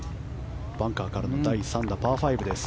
バンカーからの第３打パー５です。